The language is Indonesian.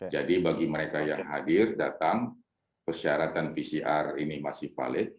jadi bagi mereka yang hadir datang persyaratan pcr ini masih valid